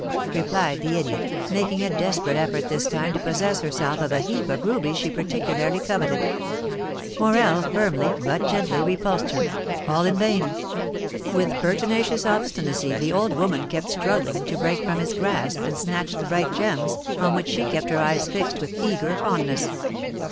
replied the idiot, making a desperate effort this time to possess herself of a heap of rubies she particularly coveted. Morel firmly, but gently, repulsed her, all in vain; with pertinacious obstinacy the old woman kept struggling to break from his grasp, and snatch the bright gems, on which she kept her eyes fixed with eager fondness.